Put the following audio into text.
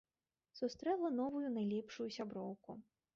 Сустрэла новую найлепшую сяброўку.